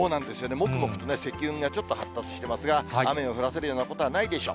もくもくと積雲がちょっと発達していますが、雨を降らせるようなことはないでしょう。